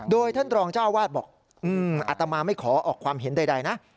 โดยท่านรองเจ้าวาดบอกอัตมาไม่ขอออกความเห็นใดนะ